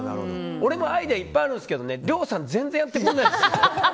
俺も愛がいっぱいあるんですけど亮さん全然やってくれないんです。